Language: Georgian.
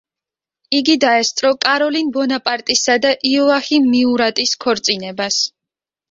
იგი დაესწრო კაროლინ ბონაპარტისა და იოაჰიმ მიურატის ქორწინებას.